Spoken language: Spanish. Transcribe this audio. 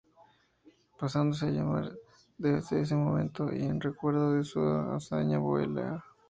Pasándose a llamar desde ese momento y en recuerdo de su hazaña Bolea.